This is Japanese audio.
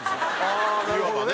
ああなるほどね。